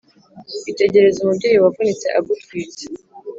Itegereze umubyeyi Wavunitse agutwite